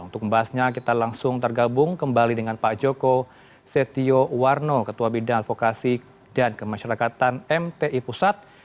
untuk membahasnya kita langsung tergabung kembali dengan pak joko setio warno ketua bidang advokasi dan kemasyarakatan mti pusat